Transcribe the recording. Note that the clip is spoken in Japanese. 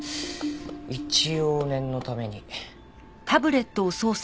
一応念のために。